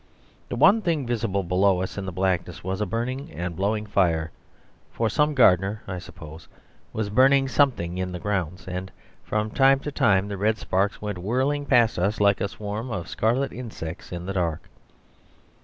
The one thing visible below us in the blackness was a burning and blowing fire; for some gardener (I suppose) was burning something in the grounds, and from time to time the red sparks went whirling past us like a swarm of scarlet insects in the dark.